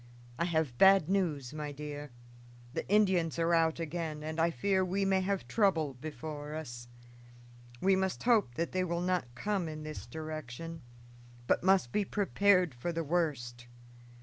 "I have bad news, my dear. The Indians are out again, and I fear we may have trouble before us. We must hope that they will not come in this direction, but must be prepared for the worst.